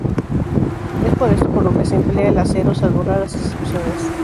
Es por esto por lo que se emplea el acero, salvo raras excepciones.